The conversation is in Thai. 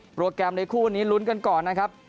โปรแกรมในคู่วันนี้ลุ้นกันก่อนนะครับ